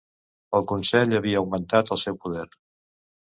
El Consell havia augmentat el seu poder.